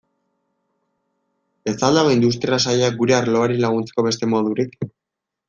Ez al dago Industria Sailak gure arloari laguntzeko beste modurik?